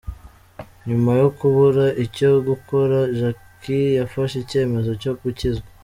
Nyuma yo kubura icyo gukora, Jacky yafashe icyemezo cyo gukizwa.